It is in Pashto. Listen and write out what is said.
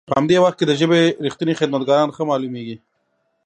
په همدي وخت کې د ژبې رښتني خدمت کاران ښه مالومیږي.